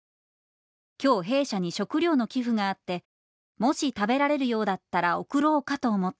今日弊社に食糧の寄付があってもし食べられるようだったら送ろうかと思って」。